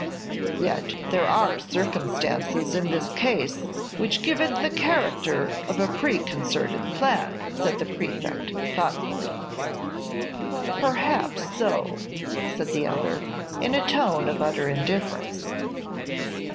"Yet there are circumstances in this case which give it the character of a preconcerted plan," said the Prefect, thoughtfully. "Perhaps so," said the other, in a tone of utter indifference.